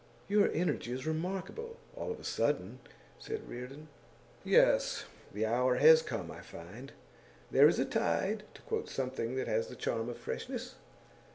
'Your energy is remarkable, all of a sudden,' said Reardon. 'Yes. The hour has come, I find. "There is a tide" to quote something that has the charm of freshness.